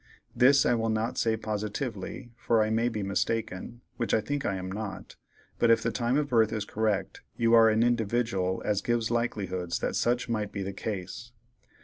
This I will not say positively, for I may be mistaken, which I think I am not, but if the time of birth is correct, you are an individdyal as gives likelihoods that such might be the case."